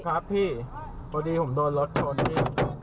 ครับพี่พอดีผมโดนรถโชเฟอร์ที่นี่